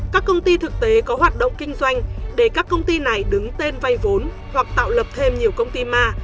các công ty thực tế có hoạt động kinh doanh để các công ty này đứng tên vay vốn hoặc tạo lập thêm nhiều công ty ma